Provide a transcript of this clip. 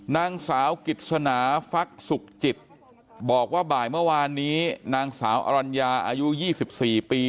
นางสาวกิจสนาฟักสุขจิตบอกว่าบ่ายเมื่อวานนี้นางสาวอรัญญาอายุ๒๔ปี